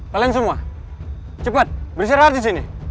kalian semua cepat bersirah di sini